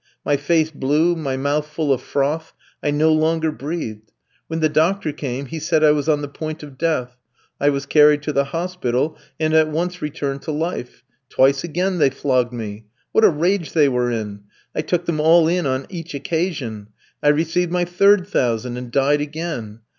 My face blue, my mouth full of froth, I no longer breathed. When the doctor came he said I was on the point of death. I was carried to the hospital, and at once returned to life. Twice again they flogged me. What a rage they were in! I took them all in on each occasion. I received my third thousand, and died again.